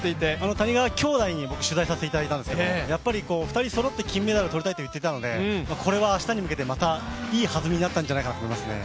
谷川兄弟に僕取材させてもらったんですけどやっぱり、２人そろって金メダルとりたいと言っていたのでこれは、あしたに向けてまたいい弾みになったと思いますね。